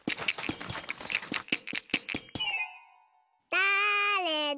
だれだ？